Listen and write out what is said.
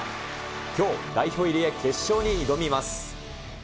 きょう、代表入りへ決勝に挑みます。